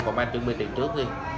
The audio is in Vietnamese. còn anh chuẩn bị tiền trước đi